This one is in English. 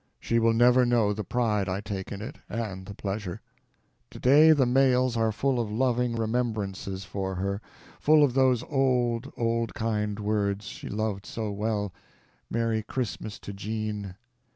She will never know the pride I take in it, and the pleasure. Today the mails are full of loving remembrances for her: full of those old, old kind words she loved so well, "Merry Christmas to Jean!"